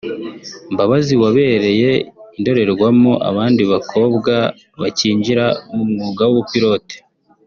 Mbabazi wabereye indorerwamo abandi bakobwa bacyinjira mu mwuga w’ubupilote